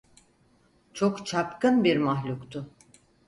Çok çapkın bir mahluktu.